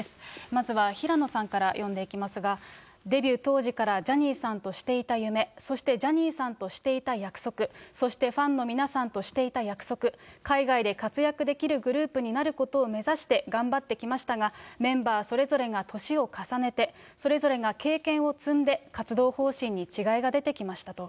まずは平野さんから読んでいきますが、デビュー当時からジャニーさんとしていた夢、そしてジャニーさんとしていた約束、そしてファンの皆さんとしていた約束、海外で活躍できるグループになることを目指して頑張ってきましたが、メンバーそれぞれが年を重ねて、それぞれが経験を積んで、活動方針に違いが出てきましたと。